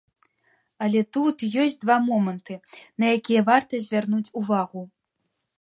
Але тут ёсць два моманты, на якія варта звярнуць увагу.